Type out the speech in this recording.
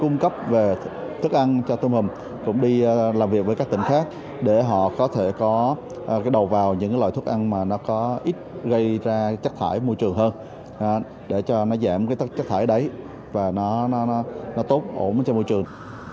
nó có cái đầu vào những loại thuốc ăn mà nó có ít gây ra chất thải môi trường hơn để cho nó giảm cái chất thải đấy và nó tốt ổn trên môi trường